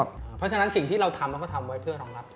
เพราะฉะนั้นสิ่งที่เราทำเราก็ทำไว้เพื่อรองรับ